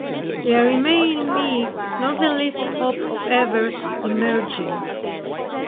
There remained in me not the least hope of ever emerging.